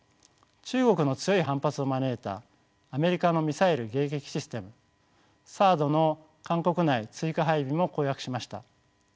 中国の強い反発を招いたアメリカのミサイル迎撃システムＴＨＡＡＤの韓国内追加配備も公約しました。